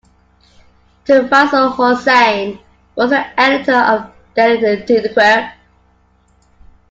Tofazzal Hossain was the editor of The Daily Ittefaq.